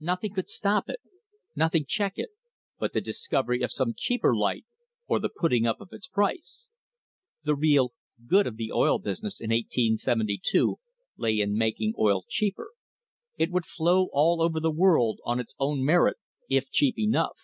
Nothing could stop it, nothing check it, but the discovery of some cheaper light or the putting up of its price. The real "good of the oil business" in 1872 lay in making oil cheaper. It would flow all over the world on its own merit if cheap enough.